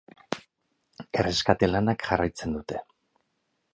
Erreskate lanak jarraitzen dute.